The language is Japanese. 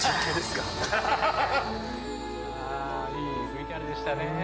いいＶＴＲでしたね。